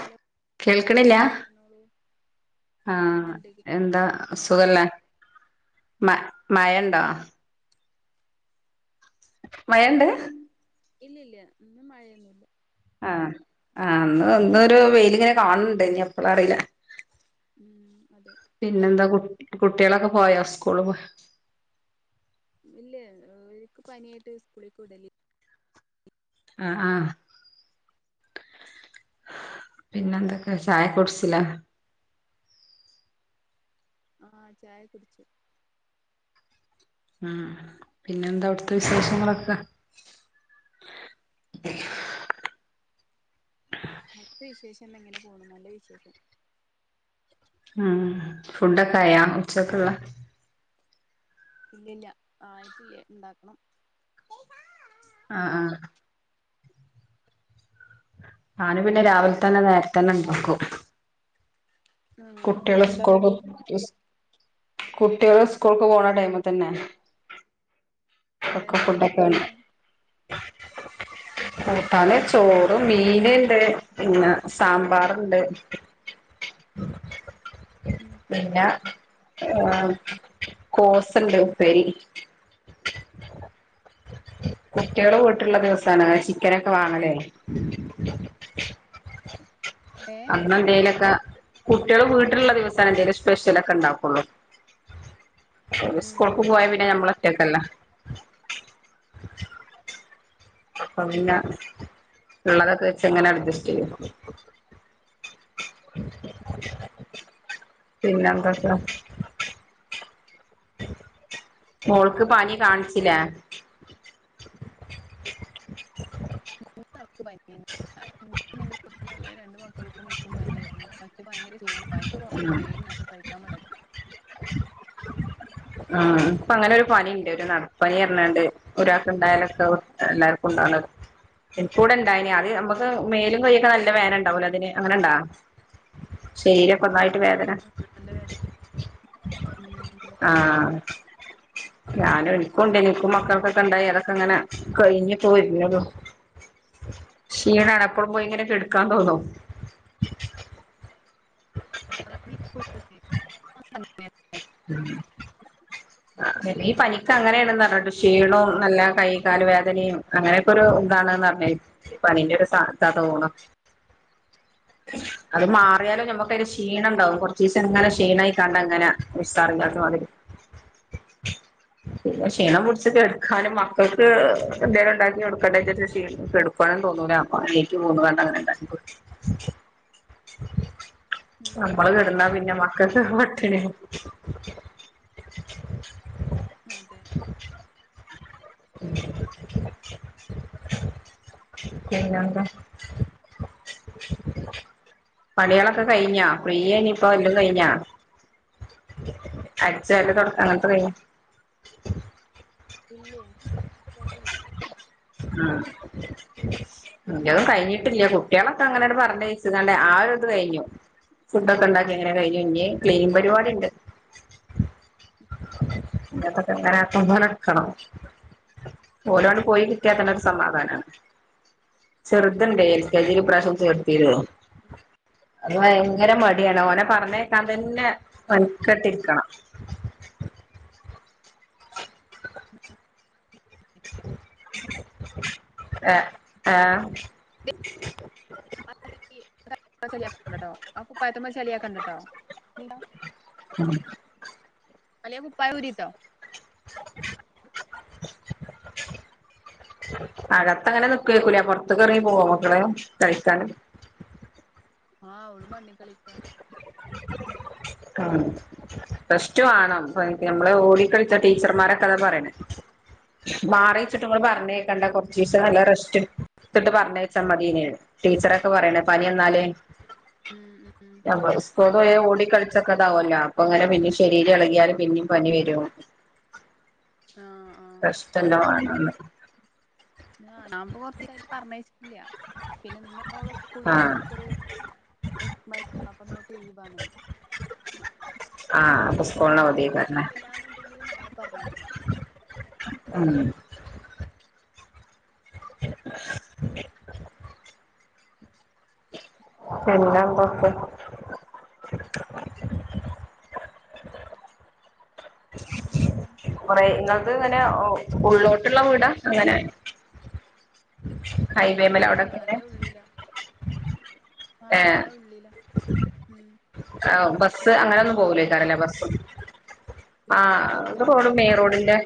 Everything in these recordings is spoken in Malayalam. ഹലോ കേൾക്കണില്ല പറഞ്ഞോളൂ ആ എന്താ സുഖല്ലേ മ ആ മഴ്‌ണ്ടോ മഴണ്ട് ഇല്ലില്ല മഴയൊന്നുല്ല ആ ആ അന്ന് ഇന്നൊരു വെയിലിങ്ങനെ കാണണണ്ട് ഇനി എപ്പളാറീല ഉം അതെ കു കുട്ടികളൊക്കെ പോയാ സ്കൂള് പോയ ഇല്ലേക്ക് പനിയായിട്ട് സ്കൂളിക്ക് വിടലി ആ ആ പിന്നെ എന്തൊക്കെ ചായ കുട്ച്ലേ ആ ചായ കുടിച്ചു ഉ പിന്നെന്താ അവിടുത്തെ വിശേഷങ്ങളൊക്കെ അവിടുത്തെ വിശേഷം ഇങ്ങനെ പോകുന്നുന്റെ വിശേഷം ഉം ഫുഡൊക്കെ ആയാ ഉച്ചക്കെുള്ള ഇല്ലല്ല ആയിട്ട്ല്ല ഇണ്ടാക്കണം അ ആ ഞാന് പിന്നെ രാവിലെ തന്നെ നേരത്തെന്നെ ഉണ്ടാക്കും ഉം കുട്ടികൾ സ്കൂൾ എന്താന്നിട്ട് കുട്ടികള് സ്കൂൾക്ക് പോണ ടൈം തന്നെ ആ എന്താ ന്നട്ട് കൂട്ടാന് ആ കൂട്ടാന് ചോറ് മീനുണ്ട് പിന്ന സാമ്പാർണ്ട് ഉം. പിന്ന ആ കോസ്ണ്ട് ഉപ്പെരി കുട്ടികള് വീട്ടുള്ള ദിവസാണ് ചിക്കനൊക്കെ വാങ്ങലേ ഏ അന്ന്ന്തേലൊക്കെ കുട്ടികള് വീട്ടിലുള്ള ദിവസം എന്തേിലും സ്പെഷ്യൽ ഒക്കെ ഉണ്ടാക്കുള്ളൂ ഉം സ്കൂൾക്ക് പോവാ പിന്നെ ഞമ്മൾ ഒറ്റക്കല്ലേ അപ്പൊ പിന്ന ഉം ഉള്ളതൊക്കെ വെച്ച് ഇങ്ങനെ അഡ്ജസ്റ്റ് ചെയ്യും പിന്നന്തോക്കെയാ മോൾക്ക് പനി കാണിച്ചിലേ പനിയാ രണ്ട് മക്കൾ ഇണ്ട് രണ്ട് മക്കൾക്കും ഇൻക്കും പനിയാ. പക്ഷെ ഭയങ്കര ക്ഷീണാ പനിക്ക് കൊറവ്ണ്ട് പ്പ കഴിക്കാൻ മാ ആഹ അങ്ങനെ ഒരു പനിയുണ്ട് ഒരു നടപ്പനി പറഞ്ഞാണ്ട് ഒരാൾക്ക് ഉണ്ടായാലൊക്കെ എല്ലാവർക്കുംണ്ടാണത് [unintelligible] അയ്ന് നമുക്ക് മേലും കയിയൊക്കെ നല്ല വേദന ഉണ്ടാവലോ അതിന് അങ്ങനെണ്ടാ ഒന്നായിട്ട് വേദന ആ നല്ല വേ ഉം ആ ഞാനും എനിക്കും ഉണ്ടേനി ഇൻക്കും മക്കൾക്കൊക്കെണ്ടായി അതൊക്കെ ഇങ്ങനെ കഴിഞ്ഞി വരുന്നൊള്ളു ക്ഷീണാണ് എപ്പളും പോയി ഇങ്ങനെ ഉം കേട്ക്കാൻ തോന്നും [unintelligible] ഉം ഈ പനിക്ക് അങ്ങനെയാണന്ന് പറഞ് കേട്ട് ക്ഷീണവും നല്ല കൈകാലും വേ ദനയും അങ്ങനെയൊക്കെ ഒരു ഇതാണ്ന്ന് പനീന്റെ ഒരു സാധാ തോണ് അത് മാറിയാലും നമ്മുക്കതില് ക്ഷീണം ഉണ്ടാവും കൊറച്ച ദിവസം എങ്ങനെ ക്ഷീണായി കാണ്ട് അങ്ങനെ ഉസാറില്ലാത്ത മാതിരി ക്ഷീണം പിടിച്ചക്കെ എടുക്കാനും മക്കൾക്ക് എന്തേലും ഉണ്ടാക്കി കൊടുക്കും കേട്ക്കണംന്ന് തോന്നൂല അപ്പ എനിക്ക് തോന്നുണണ്ട് ഇണ്ടാക്കി കൊടുക്കും ശരി ഉം നമ്മള് കേടുന്ന പിന്നെ മക്കക്ക് പടിണി ആവും അതെ ഉ പിന്നെന്താ പണികളൊക്കെ കഴിഞ്ഞാ ഫ്രീ ഏനി ഇപ്പം എല്ലും കഴിഞ്ഞാ [unintelligible] ഇല്ലേ ഇതായിട്ടില്ല ആ നിന്നും കഴിഞ്ഞിട്ടില്ല കുട്ടികളൊക്കെ അങ്ങനെയട് പറഞ്ഞ യച്ചോണ്ട് ആ ഒരു ഇത് കഴിഞ്ഞു ഉം ഫുഡൊക്കെ ഉം ഉണ്ടാക്കി എങ്ങനെ കഴിഞ്ഞു ഇനി ക്ലീൻ പരിപാടി ഉണ്ട് ഇത്തൊക്കെ ആക്കം പോലെ എടുക്കണം ഓരോട് പോയി കിട്ടാത്തുള്ളരു സമാധാനമാണ് ചെറുതണ്ടേ എൽ കെജി ല് ഇപ്രാവശ്യം ചേർതിരു ള്ളൂ അ ഭയങ്കര മടിയാണ് ഓനെ പറഞ്ഞേ അതന്നെ വൽക്കെട്ടിരിക്കണം [inaudible] ആ അ ആ ചളിയാക്കണ്ടട്ടോ ആ കുപ്പായത്തുമ്മ ചളിയാക്കണ്ടട്ടോ നീയോ [inaudible] അല്ലെ കുപ്പായ ഊരിട്ടോ [inaudible] അകത്ത അങ്ങനെ നിക്കക്കൂല പൊ റത്തക്കിറങ്ങി പോവ മക്കള് കളിക്കാൻ ആഹ് അവള് മണ്ണിൽ കളിക്ക ആ പ്ലസ് ടു ആണ് നമ്മള് ഓടി കളിച്ച ടീച്ചർമാരൊക്കെ കഥ പറയണെ മാറിച്ചിട്ടുംൾ ഏ പറഞ്ഞ കേക്കണ്ടറ ടീച്ചർ നല്ല റസ്റ്റ് എടുത്തിട്ട് പറഞ്ഞയച്ചാൽ മതിനെ ടീച്ചറൊക്കെ പറയണ പനി എന്നാലേ മ് ഓടി കളിച്ചൊക്കെ ഇതാവല്ലോ അപ്പൊ അങ്ങനെ പിന്നും ശരീരം ഇളകിയാലും പിന്നും പനി വരും [unintelligible] ആഹ് പ്രശ്ന ല്ല വണ [unintelligible] [unintelligible] ന ആഹ് ആഹ് ഇന്നും അപ്പൊ കൂടെ സ്കൂളിന് നോക്കിട്ട് അവധിയേക്കാരല്ലേ കുഴപ്പില്ലന്നുണ്ടെങ്കില് നാളെ പറഞ്ഞേക്കണം ഉം എല്ലാംണ്ടൊക്കെ പിന്നെന്താ പറയുന്നത് ഇങ്ങനെ ഉള്ളോട്ടുള്ള വീടാ അങ്ങനെ ആ ഹൈവേമേല് ഉള്ളേക്ക്ള്ള അവിടൊക്കെ ഇങ്ങനെ നല്ല ഉള്ളിലാ ആ നല്ല ഉള്ളില ഉം ആ ബസ്സ് നിങ്ങളതോ അങ്ങനെയ ഒന്നും റോഡ് സൈഡോ പോകലേക്കാരല്ലേ ബസ് ആ ഇല്ലേ ബസ് പോവൂല റോഡ് മെയിൻ സൈഡാ റോഡിന്റെ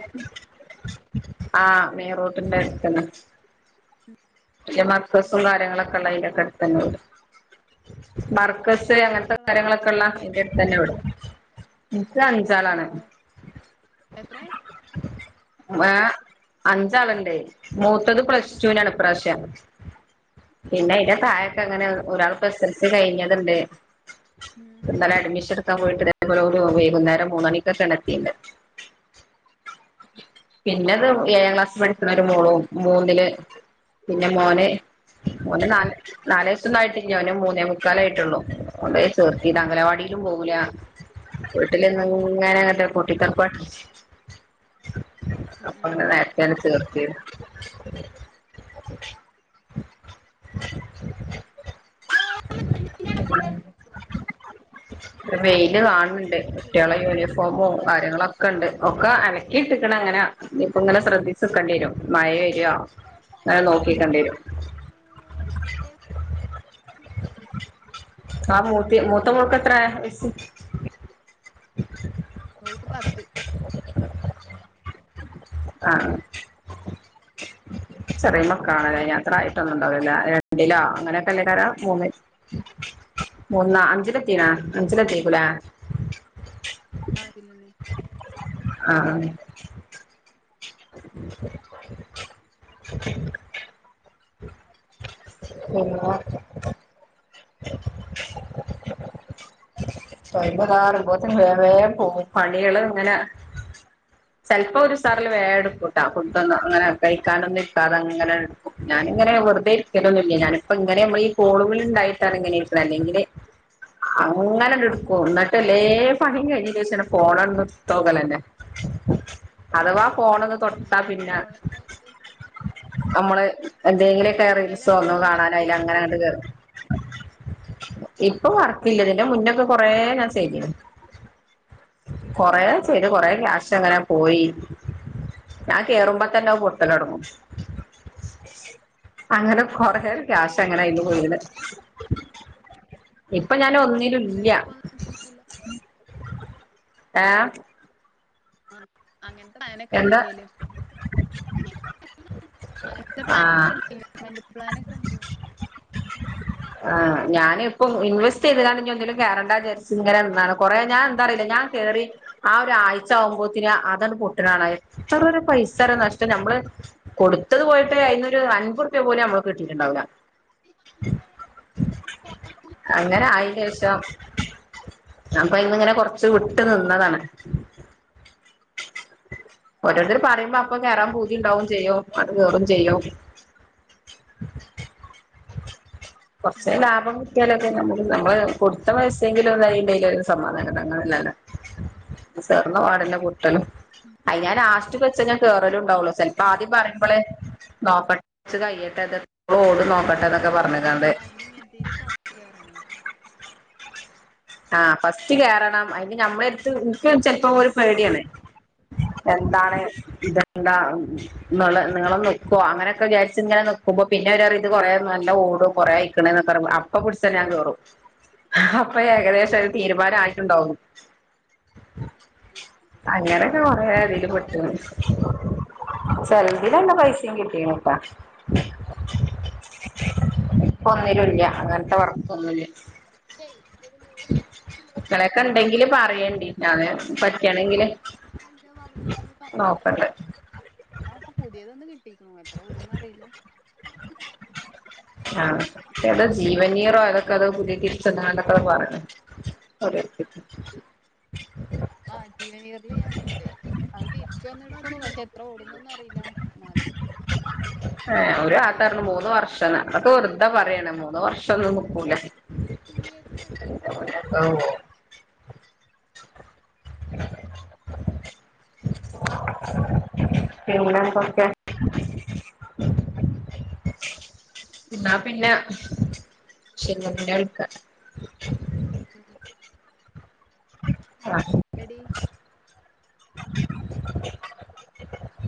ആ മെൻ റോട്ടിന്റെ അടുത്തന്നെ മർ ക്ക സും കാര്യങ്ങളൊക്കെ ഉള്ളതിന്റെ അടുത്തന്നെ വരും ബർക്കസ് എത്ര അങ്ങനത്തെ മക്കളാ കാര്യങ്ങളൊക്കെ ഉള്ള എന്റെ അടുത്ത് തന്നെ വിടും ഉം ഇപ്പ എത്ര അഞ്ചാളാണ് മക്കളാ എത്രേ ഏഹ അഞ്ചളുണ്ടേ മൂത്തത് പ്ലസ് ടു വിനാണുഇപ്രാവശ്യം പിന്നെ ഇന്റെ ആഹ് താഴൊക്കെ അങ്ങനെ ഒരാൾ ഇപ്പൊ എസ് എൽ സി കഴിഞ്ഞതുണ്ട് ഉം ഇന്നലെ അഡ്മിഷൻ എടുത്തു ട്ടേ പോലെ വൈകുന്നേരം മൂന്നണിക്കൊക്കെണത്തിയത് പിന്നെത് ഏഴാം ക്ലാസ് പഠിക്കുന്നരു മോളോ മൂന്നില് പിന്നെ മോന് നാല് നാല് ദിവസൊന്ന ആയിട്ടില്ല അവന് മൂന്നേ മുക്കാലായിട്ടുള്ളൂ കൊണ്ടോയി ചേർത്തി ഇത് അംഗനവാടിയിലും പോകില്ല വീട്ടിലന്ന ഉം ങ്ങനെ അങ്ങനത്തെ പൊട്ടിത്തെറി അപ്പ അങ്ങട് നേരത്തെ അങ്ങ് ചേർത്തി [inaudible] [unintelligible] [unintelligible] മെയില് കാണ് ണ്ട് കുട്ടികള യൂണിഫോമോ കാര്യങ്ങളൊക്കെ ണ്ട് ഒക്കെ അലക്കിയിട്ട് ങ്ങനാ ഇപ്പ ങ്ങനെ ശ്രദ്ധിച്ക്കേണ്ടി വരും മഴ വരുവാ [unintelligible] ആ മൂത്തി മൂത്ത മോൾക്കത്ര ത്ര വയസ്സ് ഓൾക്ക്‌ പത്ത് ആ ചെറിയ മക്കളാണല്ലേ അത്ര ആയിട്ടൊന്നും ണ്ടാവില്ല രണ്ട്ലോ അങ്ങനൊക്കെ ല്ലേ കാരം മൂന്ന മൂന്നാ അഞ്ചിലത്തീണാ അഞ്ചിലത്തീക്കുലേ ആ അഞ്ചിലെന്നെ ആ [unintelligible] [unintelligible] [unintelligible] പണികള് ങ്ങനെ ചെൽപോ ഒരു സാറില് വേഗട്ക്കൂട്ടാ ഫുഡോന്ന് അങ്ങനെ കഴിക്കാനൊന്നും കിട്ടാതങ്ങനെ ഞാനിങ്ങെനെ വെറ്തെ ഇരിക്കലൊന്നുംല്ല ഞാനിപ്പ ഇങ്ങനെ മ്മളി കോൾ വിളിണ്ടാ തെളങ്ങളിപ്പോ അല്ലകില് അങ്ങനെണ്ട് ഇട്ക്കു ഉം ന്നിട്ട്ല്ലേ പണിം കഴിഞ്ഞ ച്ചെ ഫോണാണ്ട് എട്തോക്ക ലന്നെ അഥവാ പോണോന്ന് ഉം തൊട്ടാ പിന്ന ഓൺലൈനായിട്ട് നമ്മള് എന്തെലോക്കെ റീൽസോ ഓൺലൈനായിട്ട് ഒന്നും എന്തേലും വർക്ക് ചെയ്യുന്നോ കാണാനായ്ലങ്ങനെണ്ട് കേറും ഇപ്പ വർക്കില്ല തിന്റെ മുന്നൊക്കെ കൊറേ ഞാൻ ചെയ്തിനി കൊറേ ചെയ്ത് കൊറേ ക്യാഷങ്ങനെ പോയി ഞാൻ കേറുമ്പോ തന്നെ മുട്ടലോട്ങ്ങും അങ്ങനെ കൊറേ എന്നിട്ട് ക്യാഷ് അങ്ങനേ അയ്ന്ന് ഇപ്പൊന്നും പോയിക്ക്‌ണ് ചെയ്യണില്ല? ഇപ്പ ഞാന് ഒന്നും നും എന്നിട്ട് ഇല്ലാ ഇപ്പൊ ഒന്നും ചെയ്യണില്ല ആഹ് ആ അങ്ങൻത്തെ സാനൊക്കെണ്ട് എന്താ എന്റേല് പ്പോ അങ്ങൻത്തെ ആ പ്ലാൻ പ്ലാനോക്കെണ്ട് ആ ഞാന് പ്പോ ഇൻവെസ്റ്റ് ചെയ്ത്കാണ്ടാഞ് എന്തെങ്കിലും കേറണ്ടന്ന് വിചാരിച്ച് എന്നാണ് കൊറെ ഞാൻ എന്താറിയില്ല ഞാൻ ഉണ്ട് കേറി ആ ഒരാ ചാവുമ്പോത്തിന് അതാണ്ട് പൊട്ട്ണാണ എത്ര പൈസാ രൊ നഷ്ടം നമ്മള് കൊടുത്തത് പോ ഹേ അയിന്നൊരു അൻബുർപ്യ പോലും നമ്മക്ക്‌ കിട്ടിട്ടുണ്ടാവില്ല അങ്ങനെ ആയിന്റേഷം അപ്പം ഇന്ങ്ങനെ കൊറ്ച്ച് വിട്ട് നിന്നതാണ് ഓരോർത്തര് പറയുമ്പോ അപ്പ കേറാൻ ഭൂതിണ്ടാവും ചെയ്യും അത് വെറും ചെയ്യും കൊറ്ച് ലാഭം കിട്ടിയാലൊ നമ്ള് കൊടുത്ത പയ്സെങ്കിലും എന്തായിണ്ടെല് സമാധാനം തകൾ സെറിന്റെ വാഡിലാ കുട്ടനും അയ് ഞാൻ ലാസ്റ്റ് ബസ്സിനാ കെറല്ണ്ടാവുള്ളു ചെല്പ്പോ ആദ്യം പറയിമ്പളെ നോക്കട്ടെ കൊറച്ച് കരിയാട്ടെ റോഡ് ന്നൊക്കട്ടെന്നക്ക പറഞ് അയ്ന് ഇങ്ങൻത്തില് ഫാസ്റ്റ് കെറണേ ആ ഫസ്റ്റ് കേറണം അയ്ന് ഞമ്മളട്ത്ത് നിക്ക് ചെലപ്പോ ഒരു പേടിയാണ് എന്താണ് ഇതെന്താ ഇങ്ങള് ഇങ്ങള് നിക്കോ അങ്ങനെയൊക്കെ വിചാരിചിങ്ങനെ നി കുമ്പ പിന്നെ ഒരു ഇത് കൊറേ നല്ല ഓടും കൊറേ ആയിക്ണ്ന്നോക്കെ അപ്പ പിടിച്ച് ഞാൻ കേറും അപ്പ ഏകദേശം ഒരു തീരുമാനായിട്ടുണ്ടാവും അങ്ങനൊക്കെ കൊറെ ഉം തീല് പെട്ട്ണ് ചെലതീല് നല്ല പൈസിം കിട്ടീന്പ്പ ഉം ഇപ്പ ഒന്നുലുല്ല അങ്ങൻത്തെ വർക്കോന്നുല്ല മക്കളേക്കെണ്ടെങ്കില് പറയെണ്ടി ഞാന് പറ്റാണെങ്കില് ആ അപ്പൊ പുതിയതൊന്ന് കിട്ടി എത്ര ഓടുന്നറിയില്ലാ ആ ഏതോ ജീവനീയറോ ഏതൊക്കെ അതോ പുതിയ തിരിച്ചന്ന് കണ്ടൊക്കെ പറയണ് അവരെടുത്തു [unintelligible] ആഹ് ജീവനിയറിൽ ഞാനുണ്ട് അത് തിരിച്ചു വന്ന എടുത്തോ പക്ഷെ എത്ര ഓടുന്നുന്ന് അറിയില്ല ഒരു ആത്തണ് മൂന്ന് ചെയ്യണ്ട് വർഷാണ് അതൊക്കെ വെറുതാ പറയണം ളൂന്ന് വർഷം ഒന്നും നിക്കുല്ല ഔ ഓ ഇങ്ങനൻ കൊക്കെ [inaudible] എന്നാ പിന്നെ ചെങ്ങറെ അടുക്ക ഉം ആഹ് എടീ [inaudible]